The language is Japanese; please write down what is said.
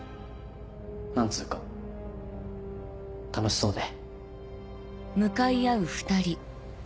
何つうか楽しそうで。